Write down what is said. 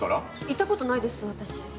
いたことないです私。